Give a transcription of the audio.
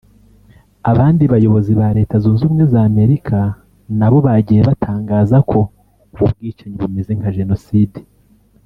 Abandi bayobozi ba Leta Zunze Ubumwe za Amerika nabo bagiye batangaza ko ubu bwicanyi bumeze nka Jenoside